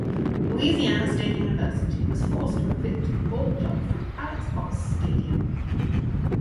Louisiana State University was forced to evict the ball club from Alex Box Stadium.